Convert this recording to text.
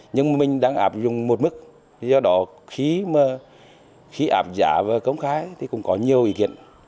nhưng mình đang áp dụng một mức do đó khí áp giả và công khai thì cũng có nhiều ý kiện